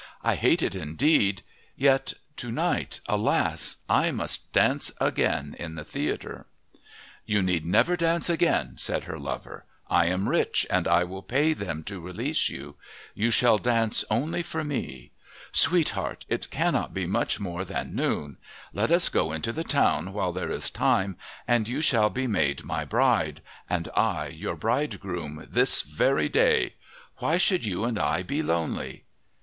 "I hate it indeed. Yet to night, alas! I must dance again in the theatre." "You need never dance again," said her lover. "I am rich and I will pay them to release you. You shall dance only for me. Sweetheart, it cannot be much more than noon. Let us go into the town, while there is time, and you shall be made my bride, and I your bridegroom, this very day. Why should you and I be lonely?"